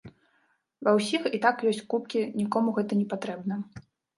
Ва ўсіх і так ёсць кубкі, нікому гэта не патрэбна.